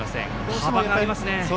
幅がありますね。